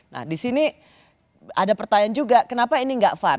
nah disini ada pertanyaan juga kenapa ini enggak far